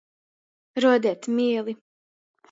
Ruodeit mēli.